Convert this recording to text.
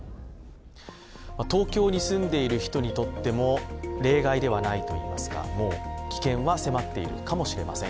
東京に住んでいる人にとっても例外ではないといいますか、もう危険は迫っているかもしれません。